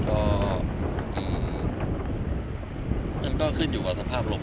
ก็ขึ้นอยู่กับสภาพลม